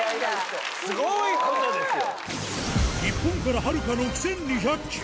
スゴいことですよ。